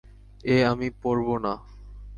এ আমি পরব না।